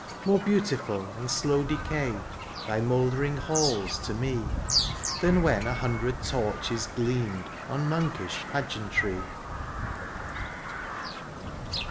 More beautiful in slow decay. Thy mouldering halls to me. Than when a hundred torches gleamed On monkish pageantry.